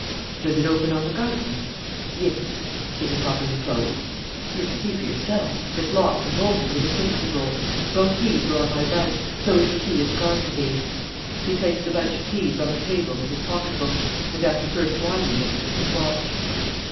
"Does it open on the garden?" "Yes." "Is it properly closed?" "You can see for yourself; it's locked and bolted with a safety bolt. Both keys are on my bunch; so is the key of the garden gate." He placed the bunch of keys on the table with his pocket book and, after first winding it, his watch.